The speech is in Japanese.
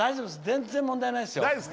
全然、問題ないですよ。